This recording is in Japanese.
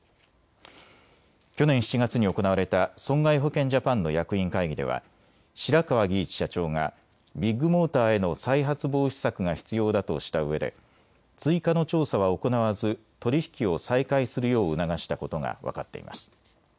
去年７月に行われた損害保険ジャパンの役員会議では白川儀一社長がビッグモーターへの再発防止策が必要だとしたうえで追加の調査は行わず取り引きを再開するよう促したことが分かっています。